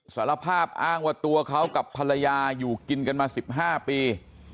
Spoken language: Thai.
สารภาพอ้างว่าตัวเขากับภรรยาอยู่กินกันมา๑๕ปี